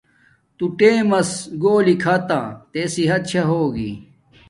تو ٹیمس گھولی کھاتا تے صحت شا ہوگی